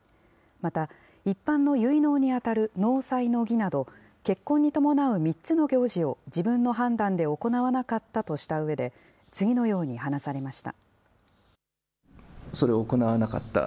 また一般の結納に当たる納采の儀など、結婚に伴う３つの行事を自分の判断で行わなかったとしたうえで、次のように話されました。